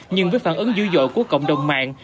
nhưng với phản ứng dữ dội của cộng đồng mạng